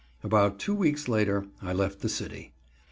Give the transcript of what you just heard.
About two weeks later I left the city.